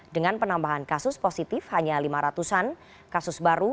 dengan penambahan kasus positif hanya lima ratusan kasus baru